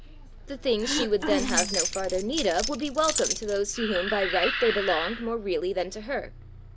The things she would then have no farther need of, would be welcome to those to whom by right they belonged more really than to her!